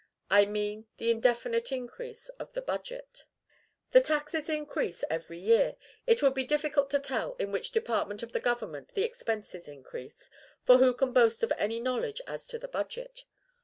I mean the indefinite increase of the budget. The taxes increase every year. It would be difficult to tell in which department of the government the expenses increase; for who can boast of any knowledge as to the budget?